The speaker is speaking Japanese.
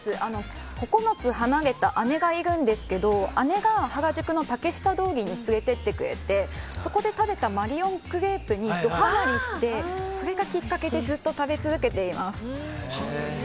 ９つ離れた姉がいるんですけど姉が原宿の竹下通りに連れてってくれてそこで食べたマリオンクレープにドハマリして、それがきっかけでずっと食べ続けています。